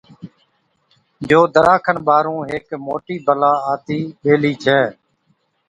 جو دَرا کن ٻاهرُون هيڪ موٽِي بَلا آتِي ٻيهلِي ڇَي۔